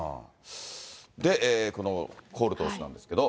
このコール投手なんですけど。